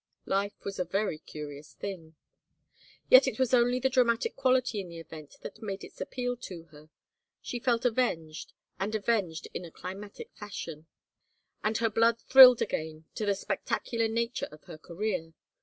Life was a very curious thing. ... Yet it was only the dramatic quality in the event that made its appeal to her; she felt avenged and avenged 17 231 THE FAVOR OF KINGS in a climatic fashion, an(l her blcxxl thrilled again to the spectacular nature of her career.